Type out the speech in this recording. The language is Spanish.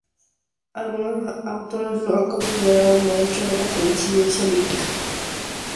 Algunos autores lo han considerado "el maestro de la conciencia lírica".